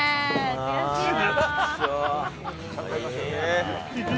悔しいな。